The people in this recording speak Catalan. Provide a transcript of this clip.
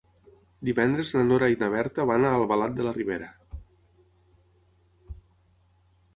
Divendres na Nora i na Berta van a Albalat de la Ribera.